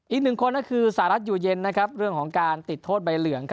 อีกหนึ่งคนก็คือสหรัฐอยู่เย็นเรื่องของการติดโทษใบเหลือง